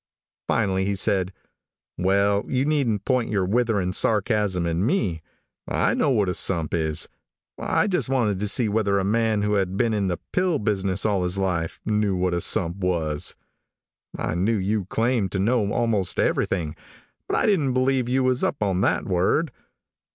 Finally he said, "Well you needn't point your withering sarcasm at me. I know what a sump is. I just wanted to see whether a man who had been in the pill business all his life, knew what a sump was. I knew you claimed to know almost everything, but I didn't believe you was up on that word.